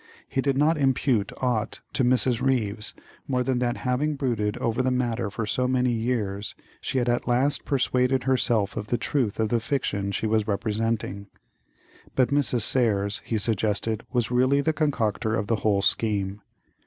He did not impute aught to Mrs. Ryves more than that having brooded over the matter for so many years she had at last persuaded herself of the truth of the fiction she was representing; but Mrs. Serres, he suggested, was really the concocter of the whole scheme.